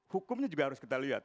hukumnya juga harus kita lihat